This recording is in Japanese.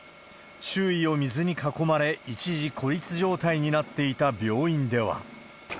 周囲を水に囲まれ、一時孤立状態になっていた病院では。